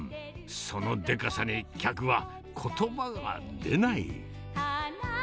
そのデカさに、客はことばが出ない。